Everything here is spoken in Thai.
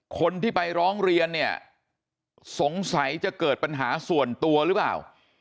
คนที่ไปร้องเรียนเนี่ยสงสัยจะเกิดปัญหาส่วนตัวหรือเปล่า